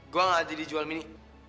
gua gak jadi jual mini